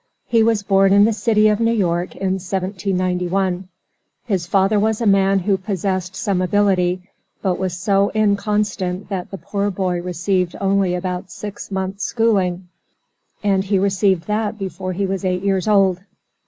He was born in the city of New York in 1791. His father was a man who possessed some ability, but was so inconstant that the poor boy received only about six months' schooling, and he received that before he was eight years old.